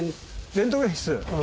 レントゲン室？